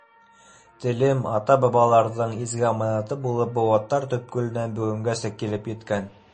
Телем ата-бабаларҙың изге аманаты булып, быуаттар төпкөлөнән бөгөнгәсә килеп еткән.